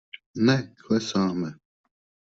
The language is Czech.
Ne, klesáme!